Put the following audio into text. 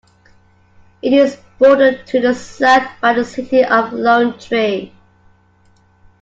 It is bordered to the south by the city of Lone Tree.